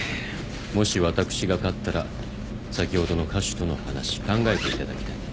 もし私が勝ったら先ほどの歌手との話考えていただきたい。